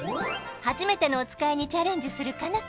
はじめてのおつかいにチャレンジする佳奈